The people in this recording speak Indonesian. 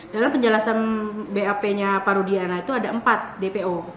dalam penjelasan bap nya pak rudiana itu ada empat dpo